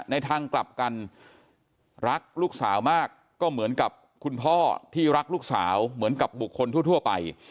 ในทางกลับกันรักลูกสาวมากก็เหมือนกับคุณพ่อที่รักลูกสาวเหมือนกับบุคคลทั่วไป